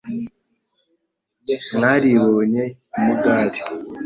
Mwaribonye i Mugari